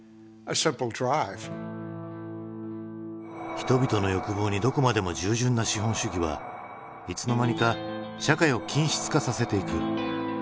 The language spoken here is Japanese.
人々の欲望にどこまでも従順な資本主義はいつの間にか社会を均質化させていく。